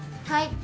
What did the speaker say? はい。